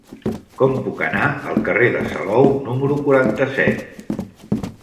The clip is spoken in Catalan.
Com puc anar al carrer de Salou número quaranta-set?